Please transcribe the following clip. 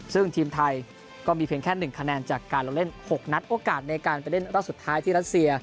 ซึ่งทีมไทยก็มีเพียงแค่๑คะแนนจากการลงเล่น๖นัดโอกาสในการไปเล่นรอบสุดท้ายที่รัสเซีย